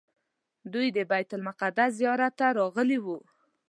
دوی د بیت المقدس زیارت ته راغلي وو.